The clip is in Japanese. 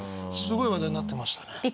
すごい話題になってましたね。